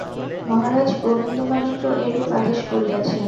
মহারাজ গোবিন্দমাণিক্য এইরূপ আদেশ করিয়াছেন?